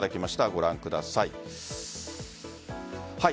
ご覧ください。